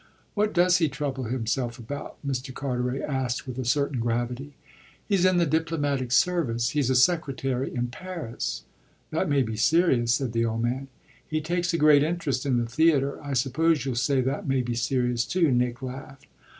"What does he trouble himself about?" Mr. Carteret asked with a certain gravity. "He's in the diplomatic service; he's a secretary in Paris." "That may be serious," said the old man. "He takes a great interest in the theatre. I suppose you'll say that may be serious too," Nick laughed.